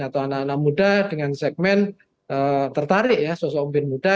atau anak anak muda dengan segmen tertarik ya sosok pemimpin muda